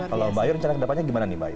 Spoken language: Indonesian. kalau bayu rencana kedepannya gimana nih bayu